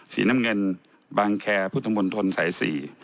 สีน้ำเงินบางแคพุทธมนต์ทนสายสี่